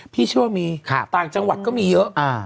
พี่เชื่อว่ามีต่างจังหวัดก็มีเยอะ